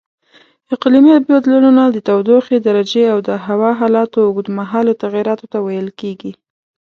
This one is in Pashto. اقلیمي بدلونونه د تودوخې درجې او د هوا حالاتو اوږدمهالو تغییراتو ته ویل کېږي.